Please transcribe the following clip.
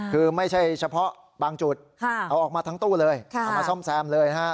คือไม่ใช่เฉพาะบางจุดเอาออกมาทั้งตู้เลยเอามาซ่อมแซมเลยฮะ